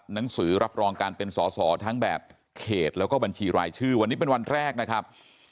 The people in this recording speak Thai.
หนังสือรับรองการเป็นสอสอทั้งแบบเขตแล้วก็บัญชีรายชื่อวันนี้เป็นวันแรกนะครับ